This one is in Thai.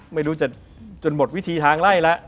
ไม่รู้จะจนหมดวิธีทางไล่แล้ว